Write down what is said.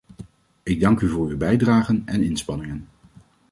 Ik dank u voor uw bijdragen en inspanningen.